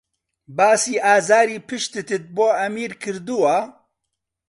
باسی ئازاری پشتتت بۆ ئەمیر کردووە؟